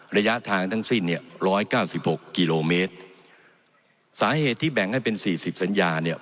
ระยะทางทั้งสิ้นเนี่ยร้อยเก้าสิบหกกิโลเมตรสาเหตุที่แบ่งให้เป็นสี่สิบสัญญาเนี่ย